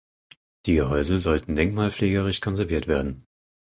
Die Gehäuse sollten denkmalpflegerisch konserviert werden.